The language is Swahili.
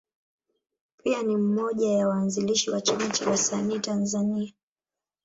Pia ni mmoja ya waanzilishi wa Chama cha Wasanii Tanzania.